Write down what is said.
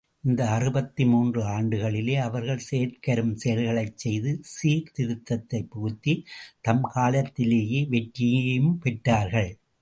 இந்த அறுபத்து மூன்று ஆண்டுகளிலே, அவர்கள் செயற்கரும் செயல்களைச் செய்து சீர்திருத்தத்தைப் புகுத்தி, தம் காலத்திலேயே வெற்றியும் பெற்றார்கள்.